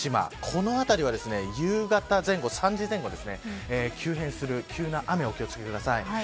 この辺りは夕方前後、３時前後急変する急な雨、お気を付けください。